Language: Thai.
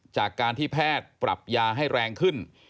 จากการที่แพทย์ปรับยาให้แรงขึ้น